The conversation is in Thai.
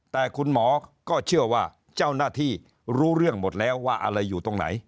แต่คุณหมอก็เชื่อว่าเจ้าหน้าที่รู้เรื่องหมดแล้วว่าอะไรอยู่ตรงไหน